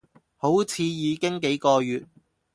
好似已經幾個月